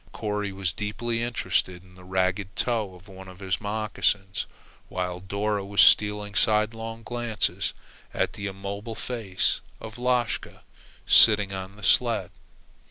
Corry was deeply interested in the ragged toe of one of his moccasins, while Dora was stealing sidelong glances at the immobile face of Lashka sitting on the sled.